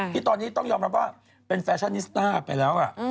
ที่ตอนนี้ต้องยอมรับว่าเป็นแฟชั่นนิสต้าไปแล้ว